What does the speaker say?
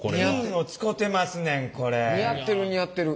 似合ってる似合ってる。